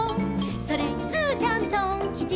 「それにスーちゃんトンきち」